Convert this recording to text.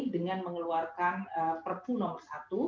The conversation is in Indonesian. dengan mengeluarkan perpu nomor satu